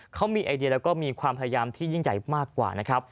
เขามีไอเดียแล้วก็มีความพยายามที่ยิ่งใหญ่มากกว่านะครับ